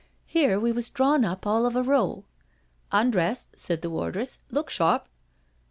Here we was drawn up all of a row. ' Undress,' says the wardress, 'look sharp.'